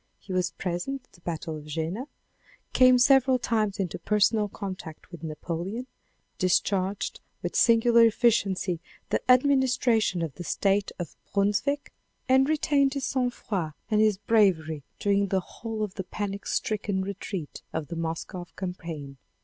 He was present at the Battle of Jena, came several times into personal contact with Napoleon, discharged with singular efficiency the administration of the State of Brunswick, and retained viii. INTRODUCTION his sang froid and his bravery during the whole of the panic stricken retreat of the Moscow campaign.